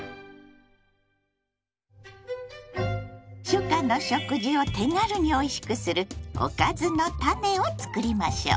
初夏の食事を手軽においしくする「おかずのタネ」を作りましょう。